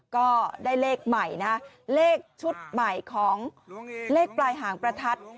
ก็ได้เลขใหม่นะเลขชุดใหม่ของเลขปลายหางประทัด